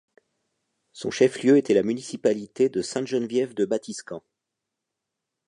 Son chef-lieu était la municipalité de Sainte-Geneviève-de-Batiscan.